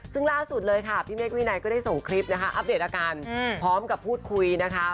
ซึ่งล่าสุดเลยค่ะพี่เมฆวินัยก็ได้ส่งคลิปนะคะอัปเดตอาการพร้อมกับพูดคุยนะคะ